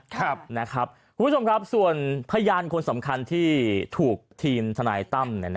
คุณผู้ชมครับส่วนพยานคนสำคัญที่ถูกทีมทนายตั้ม